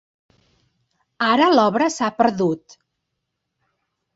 Ara l'obra s'ha perdut.